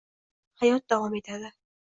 Hayot davom etadi.